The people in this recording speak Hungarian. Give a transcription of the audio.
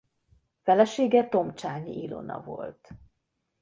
Felesége Tomcsányi Ilona volt.